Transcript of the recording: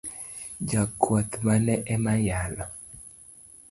Jakwath mane ema yalo?